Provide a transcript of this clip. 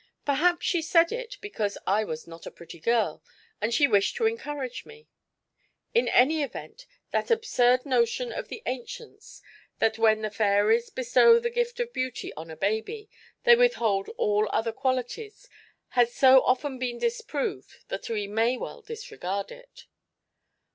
Perhaps she said it because I was not a pretty girl and she wished to encourage me. In any event, that absurd notion of the ancients that when the fairies bestow the gift of beauty on a baby they withhold all other qualities has so often been disproved that we may well disregard it.